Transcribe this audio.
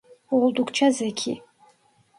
Oldukça zeki.